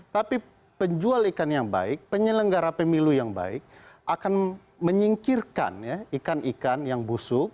tapi penjual ikan yang baik penyelenggara pemilu yang baik akan menyingkirkan ikan ikan yang busuk